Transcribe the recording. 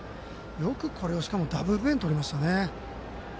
よくこれを、しかもダブルプレーにとりましたね。